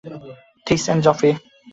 This এবং Joffrey.